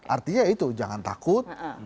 artinya itu jangan takut